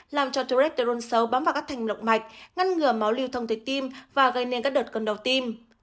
làm cho tretirin xấu bám vào các thành lộng mạch ngăn ngừa máu lưu thông tới tim và gây nên các đợt cân đầu tim